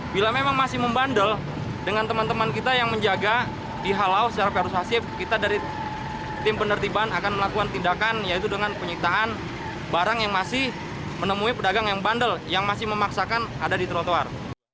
bila memang masih membandel dengan teman teman kita yang menjaga dihalau secara persuasif kita dari tim penertiban akan melakukan tindakan yaitu dengan penyitaan barang yang masih menemui pedagang yang bandel yang masih memaksakan ada di trotoar